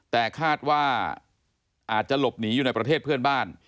แต่คาดว่าอาจจะหลบหนีอยู่ในประเทศเพื่อนบ้าน